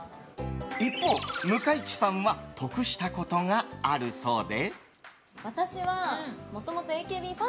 一方、向井地さんは得したことがあるそうで。